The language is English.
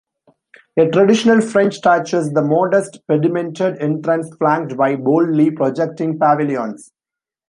A traditional French touch is the modest pedimented entrance flanked by boldly projecting pavilions.